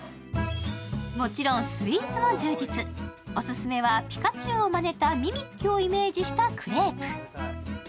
もちろんスイーツも充実、オススメはピカチュウをまねたミミッキュをイメージしたクレープ。